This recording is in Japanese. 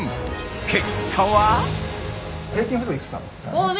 結果は？